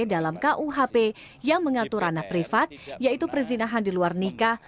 dalam kuhp yang mengatur ranah privat yaitu perzinahan di luar nikah